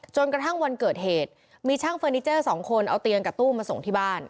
จนกระทั่งวันเกิดเหตุมีช่างเฟอร์นิเจอร์สองคนเอาเตียงกับตู้มาส่งที่บ้าน